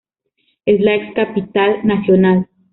Es la ex capital nacional.